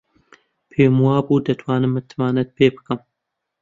پێم وابوو دەتوانم متمانەت پێ بکەم.